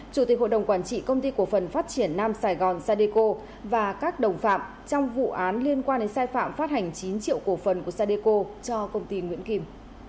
chủ tịch hội đồng quản trị công ty cổ phần phát triển nam sài gòn sadeco và các đồng phạm trong vụ án liên quan đến sai phạm phát hành chín triệu cổ phần của sadeco cho công ty nguyễn kim